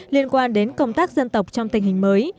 liên quan đến công tác dân tộc trong tình hình mới